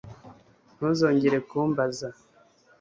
ntuzongere kumbaza